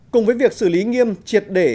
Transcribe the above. cùng với việc xử lý nghiêm triệt để